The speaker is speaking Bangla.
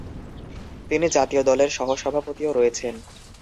তিনি জাতীয় দলের সহ-সভাপতিও রয়েছেন।